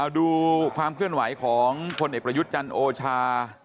ดูความเคลื่อนไหวของพลเอกประยุทธ์จันทร์โอชา